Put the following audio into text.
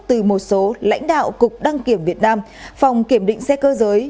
từ một số lãnh đạo cục đăng kiểm việt nam phòng kiểm định xe cơ giới